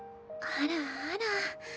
あらあら。